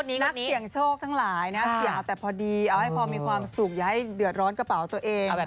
นักเสี่ยงโชคทั้งหลายนะเสี่ยงเอาแต่พอดีเอาให้พอมีความสุขอย่าให้เดือดร้อนกระเป๋าตัวเอง